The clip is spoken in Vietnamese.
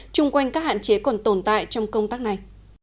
chung quanh các hạn chế còn tồn tại trong công tác này